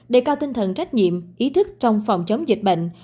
đề cao tinh thần trách nhiệm ý thức trong phòng chống dịch bệnh